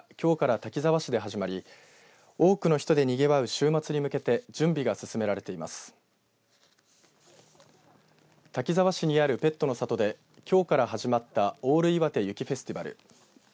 滝沢市にあるペットの里できょうから始まったＡＬＬいわて雪フェスティバル。